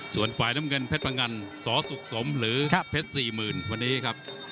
ส่วนฝ่ายน้ำเงินเพชรพงันสสุขสมหรือเพชร๔๐๐๐วันนี้ครับ